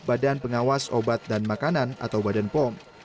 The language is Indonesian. badan pengawas obat dan makanan atau badan pom